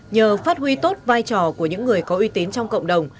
nhờ phát huy tốt vai trò của những người có uy tín trong cộng đồng